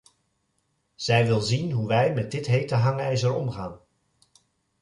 Zij wil zien hoe wij met dit hete hangijzer omgaan.